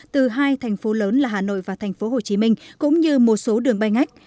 từ hai thành phố lớn là hà nội và thành phố hồ chí minh cũng như một số đường bay ngách